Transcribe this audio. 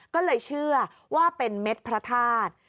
ก็เลยเชื่อว่าเป็นเม็ดพระธาตุ